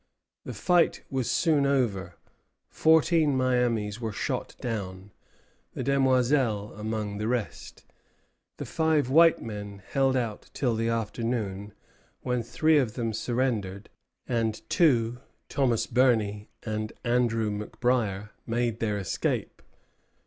The fight was soon over. Fourteen Miamis were shot down, the Demoiselle among the rest. The five white men held out till the afternoon, when three of them surrendered, and two, Thomas Burney and Andrew McBryer, made their escape.